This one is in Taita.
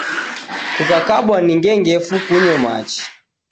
Kukakabwa ni ngengefu kunyo machi.